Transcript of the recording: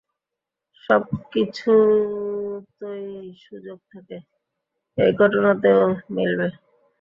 সবকিছুতই সুযোগ থাকে, এই ঘটনাতেও মিলবে।